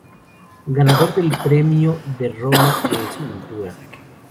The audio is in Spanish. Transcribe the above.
Ganador del Gran Premio de Roma de escultura.